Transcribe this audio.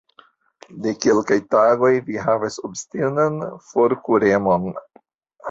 De kelkaj tagoj, vi havas obstinan forkuremon.